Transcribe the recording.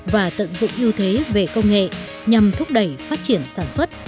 và tận dụng ưu thế về công nghệ nhằm thúc đẩy phát triển sản xuất